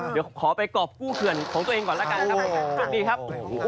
เดี๋ยวขอไปกรอบกู้เขื่อนของตัวเองก่อนละกันครับ